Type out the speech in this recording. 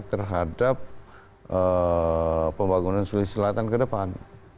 terhadap pembangunan sulawesi selatan ke depan